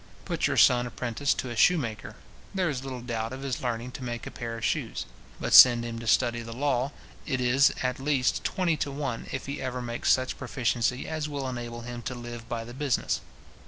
Put your son apprentice to a shoemaker, there is little doubt of his learning to make a pair of shoes; but send him to study the law, it as at least twenty to one if he ever makes such proficiency as will enable him to live by the business.